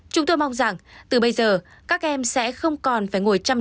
chúng tôi mong rằng từ bây giờ các em sẽ không còn phải ngồi trở lại trường học